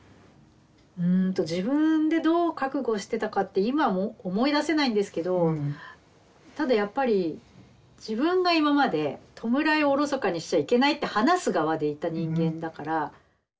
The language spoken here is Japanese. うんと自分でどう覚悟してたかって今も思い出せないんですけどただやっぱり自分が今まで弔いをおろそかにしちゃいけないって話す側でいた人間だから。